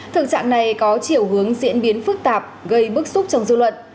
thực trạng này có chiều hướng diễn biến phức tạp gây bức xúc trong dư luận